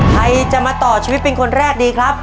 ใครจะมาต่อชีวิตเป็นคนแรกดีครับ